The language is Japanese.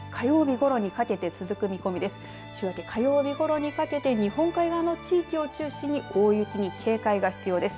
週明け火曜日ごろにかけて日本海側の地域を中心に大雪に警戒が必要です。